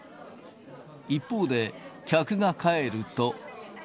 一方で、客が帰ると。